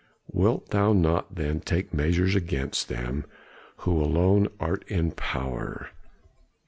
Wilt thou not then take measures against them who alone art in power?